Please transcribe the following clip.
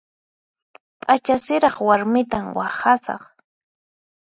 P'acha siraq warmitan waqhasaq.